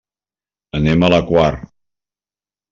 Anem a la Quar.